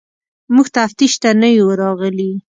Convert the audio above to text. موږ تفتیش ته نه یو راغلي.